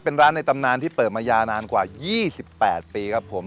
เป็นร้านในตำนานที่เปิดมายาวนานกว่า๒๘ปีครับผม